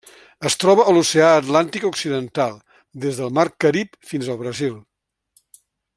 Es troba a l'Oceà Atlàntic occidental: des del Mar Carib fins al Brasil.